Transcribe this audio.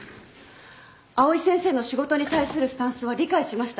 藍井先生の仕事に対するスタンスは理解しました。